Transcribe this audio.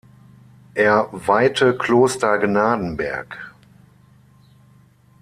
Er weihte Kloster Gnadenberg.